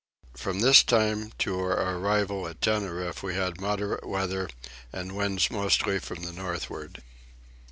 From this time to our arrival at Tenerife we had moderate weather and winds mostly from the northward.